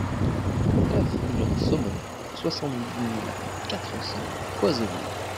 neuf rue En Saumon, soixante-dix mille quatre cents Coisevaux